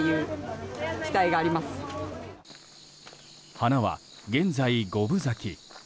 花は現在、五分咲き。